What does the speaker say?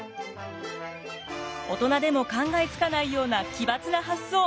大人でも考えつかないような奇抜な発想。